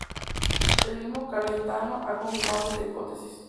El mismo Celentano ha confirmado esta hipótesis.